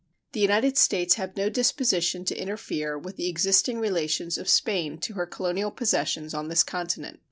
The United States have no disposition to interfere with the existing relations of Spain to her colonial possessions on this continent.